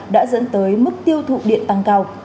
đã dẫn tới mức tiêu thụ điện tăng cao